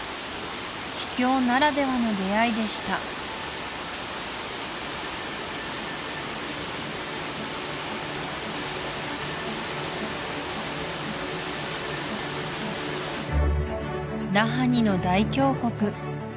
秘境ならではの出会いでしたナハニの大峡谷